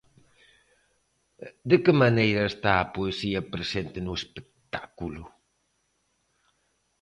De que maneira está a poesía presente no espectáculo?